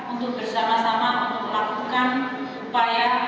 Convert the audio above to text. untuk bersama sama untuk melakukan upaya